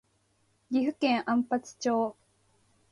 岐阜県安八町